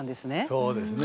そうですね。